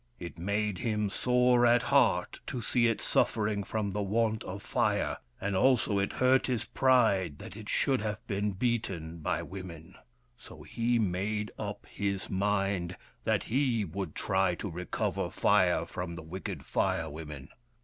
It made him sore at heart to see it suffering from the want of Fire, and also it hurt his pride that it should have been beaten by women. So he 240 WURIP, THE FIRE BRINGER made up his mind that he would try to recover Fire from the wicked Fire Women.